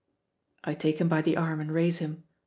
I take him by the arm and raise him.